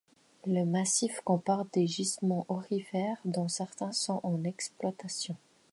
Le massif comporte des gisements aurifères dont certains sont en en exploitation.